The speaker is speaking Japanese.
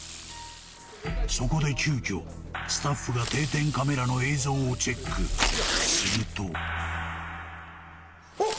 そこで急きょスタッフが定点カメラの映像をチェックするとあっ！